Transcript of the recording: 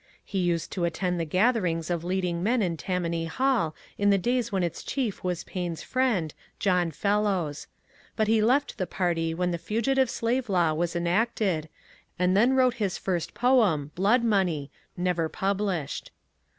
He used to attend the gatherings of leading men in Tammany Hall in the days when its chief was Paine's friend, John Fellowes. But he left the party when the Fugitive Slave Law was enacted, and then wrote his first poem, " Blood money," never published.